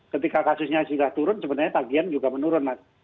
ketika kasusnya sudah turun sebenarnya tagian juga menurun mas